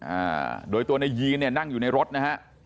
อ่าโดยตัวนายยีนเนี่ยนั่งอยู่ในรถนะฮะ